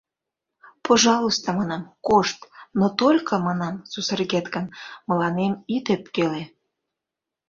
Пожалуйста, манам, кошт, но только, манам, сусыргет гын, мыланем ит ӧпкеле.